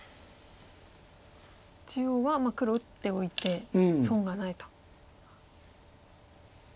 中央は黒打っておいて損がないと。